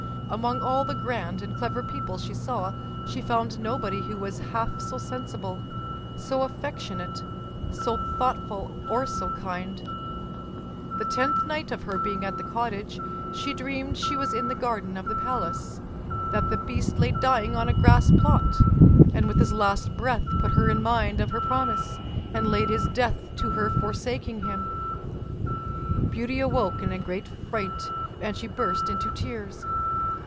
Among all the grand and clever people she saw, she found nobody who was half so sensible, so affectionate, so thoughtful, or so kind. The tenth night of her being at the cottage, she dreamed she was in the garden of the palace, that the beast lay dying on a grass plot, and with his last breath put her in mind of her promise, and laid his death to her forsaking him. Beauty awoke in a great fright, and she burst into tears.